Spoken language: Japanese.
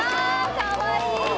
かわいい！